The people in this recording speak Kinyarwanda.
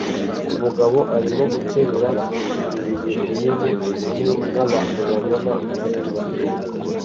Umugabo arimo guterura ibuye rinini hamwe nabantu babona munsi